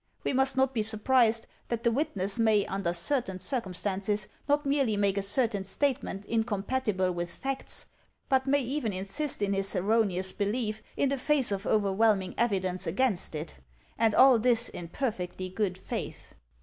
We must not be surprised that the witness may under certain circumstances not merely make a certain statement incompatible with facts, but may even insist in his erroneous belief in the face of overwhelming evidence against it — and all this in perfectly good faith.'